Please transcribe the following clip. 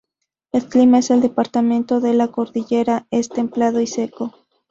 El clima en el departamento de la Cordillera es templado y seco.